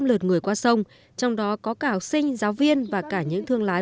có hơn ba trăm linh lượt người qua sông trong đó có cả học sinh giáo viên và cả những thương lái